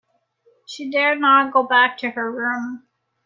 She dared not go back to her room.